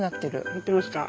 なってますか？